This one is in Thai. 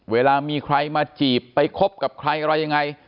เวลามีใครมาจีบไปคบกับใครอะไรยังไง